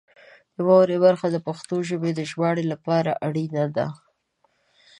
د واورئ برخه د پښتو ژبې د ژباړې لپاره اړینه ده.